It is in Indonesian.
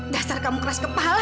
dasar kamu keras kepala